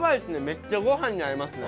めっちゃご飯に合いますね。